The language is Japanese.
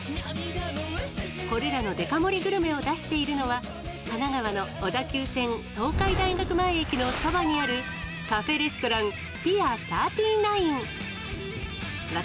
これらのデカ盛りグルメを出しているのは、神奈川の小田急線東海大学前駅のそばにあるカフェレストラン、ピア３９。